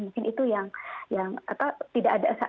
mungkin itu yang tidak ada